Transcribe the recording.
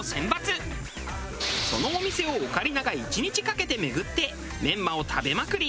そのお店をオカリナが１日かけて巡ってメンマを食べまくり